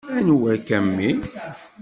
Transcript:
Anwa-k, a mmi?